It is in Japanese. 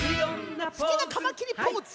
すきなカマキリポーズ！